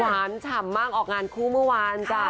หวานฉ่ำมากออกงานฟูเข้ามากเมื่อวาน